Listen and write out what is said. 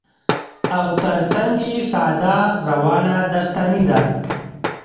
او تر څنګ يې ساده، روانه داستاني ده